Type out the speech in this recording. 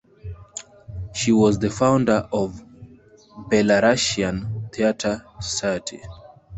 She was founder of the Belarusian Theater Society.